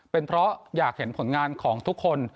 เป็นเพราะอยากเห็นผลงานของทุกคน